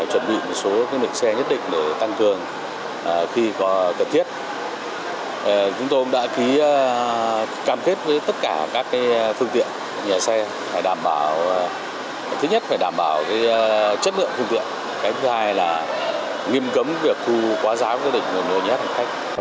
cái thứ hai là nghiêm cấm việc thu quá giá của đỉnh nguồn nối nhất hành khách